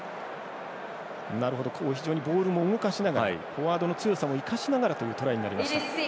非常にボールも動かしながらフォワードの強さも生かしながらのトライ。